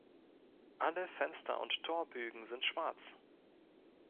Alle Fenster und Torbögen sind schwarz.